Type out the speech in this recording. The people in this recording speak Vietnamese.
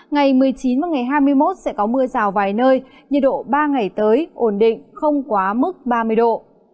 ngày một mươi chín và ngày hai mươi một sẽ có mưa rào vài nơi nhiệt độ ba ngày tới ổn định không quá mức ba mươi độ